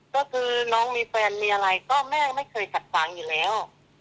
ก็คือน้องมีแฟนมีอะไรก็แม่ไม่เคยขัดขวางอยู่แล้ว